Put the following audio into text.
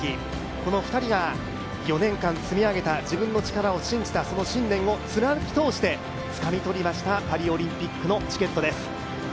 この二人が４年間積み上げた、自分たちの力を信じた、その信念を貫き通してつかみとりましたパリオリンピックのチケットです。